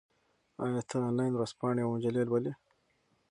آیا ته انلاین ورځپاڼې او مجلې لولې؟